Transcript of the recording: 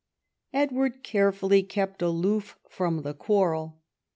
Edward care fully kept aloof from the quarrel.